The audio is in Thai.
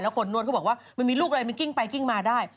คนนวดเขาบอกว่ามันมีลูกอะไรมันกิ้งไปกิ้งมาได้